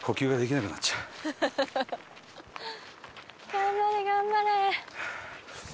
頑張れ、頑張れ！